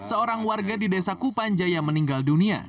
seorang warga di desa kupanjaya meninggal dunia